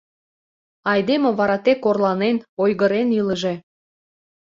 Айдеме вара тек орланен, ойгырен илыже.